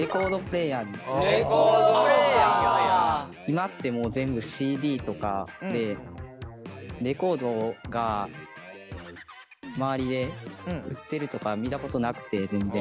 今ってもう全部ＣＤとかでレコードが周りで売ってるとか見たことなくて全然。